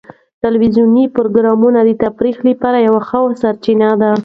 ټلویزیوني پروګرامونه د تفریح لپاره یوه ښه سرچینه ده.